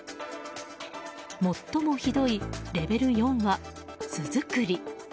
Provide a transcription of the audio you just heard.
最もひどいレベル４は巣作り。